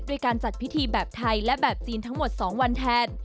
การจัดพิธีแบบไทยและแบบจีนทั้งหมด๒วันแทน